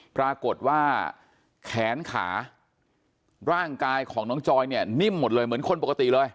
ปรากฏว่าแขนขาร่างกายของน้องจอยเนี่ยนิ่มหมดเลยเหมือนคนปกติเลย